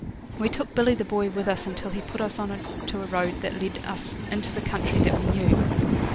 We took Billy the Boy with us until he put us on to a road that led us into the country that we knew.